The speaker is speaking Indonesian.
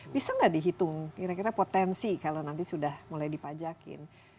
bisa nggak dihitung kira kira potensi kalau nanti sudah mulai dipajakin